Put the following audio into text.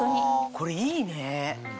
これいいね。